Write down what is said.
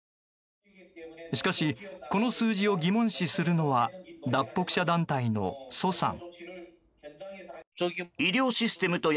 しかしこの数字を疑問視するのは脱北者団体のソさん。